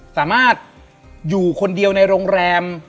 สามารถอยู่คนเดียวในโรงแรม